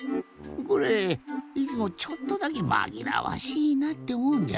これいつもちょっとだけまぎらわしいなっておもうんじゃよ。